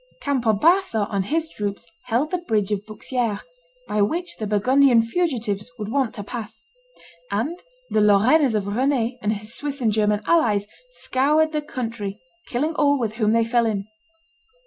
Campo Basso and his troops held the bridge of Bouxieres, by which the Burgundian fugitives would want to pass; and the Lorrainerss of Rend and his Swiss and German allies scoured the country, killing all with whom they fell in.